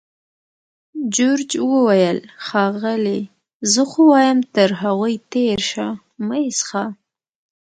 جورج وویل: ښاغلې! زه خو وایم تر هغوی تېر شه، مه یې څښه.